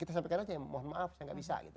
kita sampaikan aja ya mohon maaf saya nggak bisa gitu